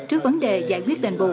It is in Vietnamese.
trước vấn đề giải quyết đền bù